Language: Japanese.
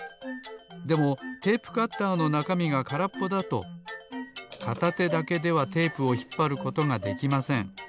でもテープカッターのなかみがからっぽだとかたてだけではテープをひっぱることができません。